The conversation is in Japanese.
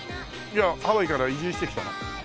ハワイから移住してきたの？